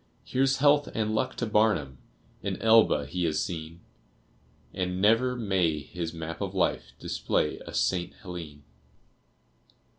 Here's health and luck to Barnum! An Elba he has seen, And never may his map of life Display a St. Helene!